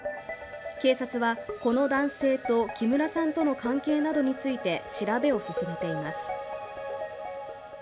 警察はこの男性と木村さんとの関係などについて調べを進めています。